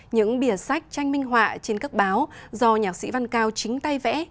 những bìa sách tranh minh họa trên các báo do nhạc sĩ văn cao chính tay vẽ